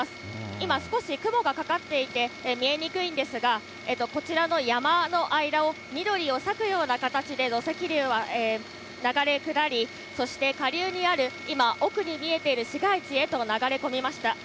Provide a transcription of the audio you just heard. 今、少し雲がかかっていて見えにくいんですが、こちらの山の間を、緑を割くような形で土石流は流れ下り、そして下流にある今、奥に見えている市街地へと流れ込みました。